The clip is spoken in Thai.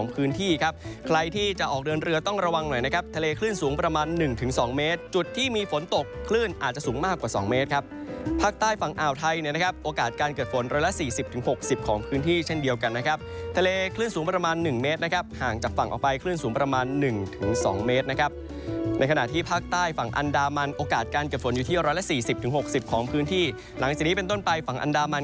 พื้นที่ครับใครที่จะออกเดินเรือต้องระวังหน่อยนะครับทะเลคลื่นสูงประมาณ๑ถึง๒เมตรจุดที่มีฝนตกลื่นอาจจะสูงมากกว่า๒เมตรครับภาคใต้ฝั่งอ่า